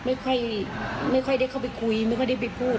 ไม่ค่อยได้เข้าไปคุยไม่ค่อยได้ไปพูด